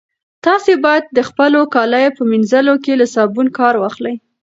تاسي باید د خپلو کاليو په مینځلو کې له صابون کار واخلئ.